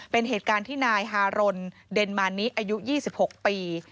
เป็นเหตุการณ์ที่นายฮารนเดนมานิอายุ๒๖ปี